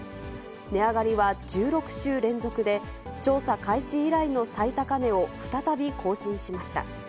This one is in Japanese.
値上がりは１６週連続で、調査開始以来の最高値を再び更新しました。